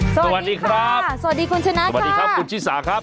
สวัสดีครับสวัสดีคุณชนะสวัสดีครับคุณชิสาครับ